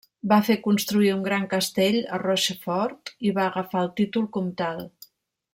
Va fer construir un gran castell a Rochefort i va agafar el títol comtal.